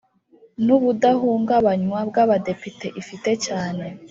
n ubudahungabanywa bw Abadepite ifite cyane